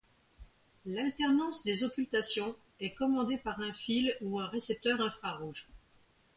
L'alternance des occultations est commandée par un fil ou un récepteur infrarouge.